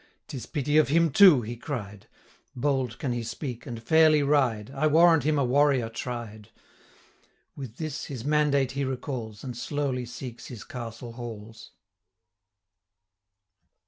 'Tis pity of him too,' he cried; 'Bold can he speak, and fairly ride, I warrant him a warrior tried.' With this his mandate he recalls, 470 And slowly seeks his castle halls.